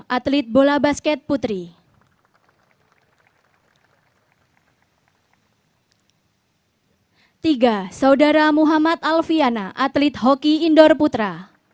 atlet hoki indor putra